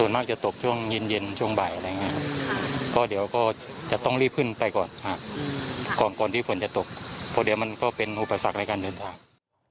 เพราะเดี๋ยวมันก็เป็นอุปสรรคในการเดินทาง